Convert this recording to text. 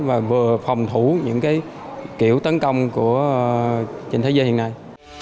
và vừa phòng thủ những kiểu tấn công trên thế giới hiện nay